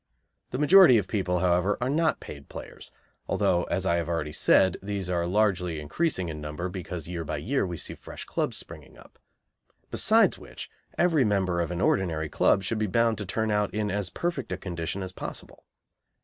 The majority of people, however, are not paid players, although, as I have already said, these are largely increasing in number, because year by year we see fresh clubs springing up, besides which every member of an ordinary club should be bound to turn out in as perfect a condition as possible.